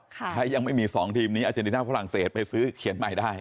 ถ้ายังไม่มี๒ทีมนี้อาเจนติน่าฝรั่งเศสไปซื้อเขียนใหม่ได้